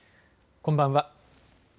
こんばんは。